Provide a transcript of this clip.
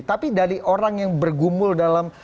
tapi dari orang yang bergumul dalam